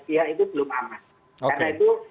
pihak itu belum aman karena itu